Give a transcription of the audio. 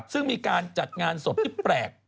ซึ่งมีการจัดงานศพที่แปลก